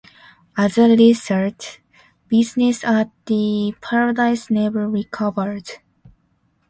As a result, business at the Paradise never recovered.